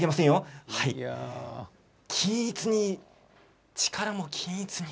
均一に、力も均一に。